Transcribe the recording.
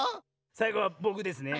さいごはぼくですね。